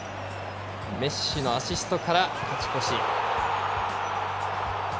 メッシのアシストから勝ち越し。